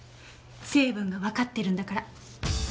成分がわかってるんだから。